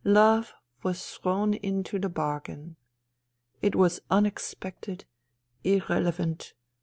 Love was thrown into the bar gain. It was unexpected, irrelevant.